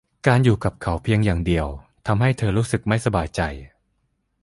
การอยู่กับเขาเพียงอย่างเดียวทำให้เธอรู้สึกไม่สบายใจ